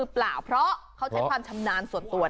พี่พินโย